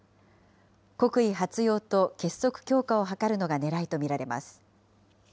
国威発揚と結束強化を図るのがねらいと見られます。